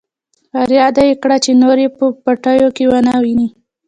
ورياده يې کړه چې نور يې په پټيو کې ونه ويني.